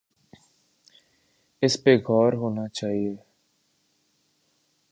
اس پہ غور ہونا چاہیے۔